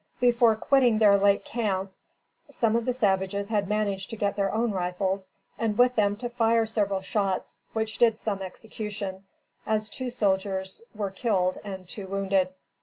Before quitting their late camp, some of the savages had managed to get their own rifles, and with them to fire several shots which did some execution, as two soldiers were killed and two wounded.